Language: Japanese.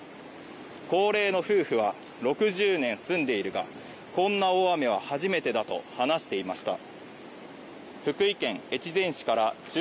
高齢の夫婦は６０年住んでいるがこんな大雨は初めてだと話していました